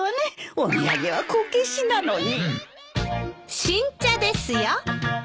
お土産はこけしなのに。